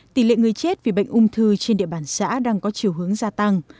tỷ lệ người chết vì bệnh ung thư trên địa bàn xã đang có chiều hướng gia tăng